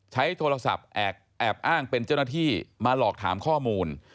ใช้โทรศัพท์แอบอ้างเป็นเจ้าหน้าที่มาหลอกถามข้อมูล